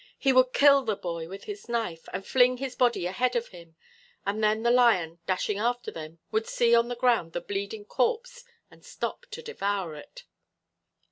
He would kill the boy with his knife and fling his body ahead of him and then the lion, dashing after them, would see on the ground the bleeding corpse and stop to devour it.